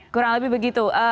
kurang lebih begitu